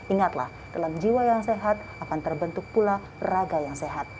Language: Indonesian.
ingatlah dalam jiwa yang sehat akan terbentuk pula raga yang sehat